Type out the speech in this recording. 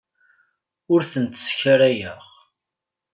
Ur tent-sskarayeɣ.